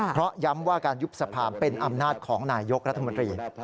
เพราะย้ำว่าการยุบสภาเป็นอำนาจของนายยกรัฐมนตรี